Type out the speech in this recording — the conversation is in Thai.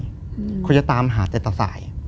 คือก่อนอื่นพี่แจ็คผมได้ตั้งชื่อ